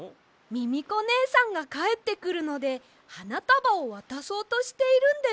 ミミコねえさんがかえってくるのではなたばをわたそうとしているんです！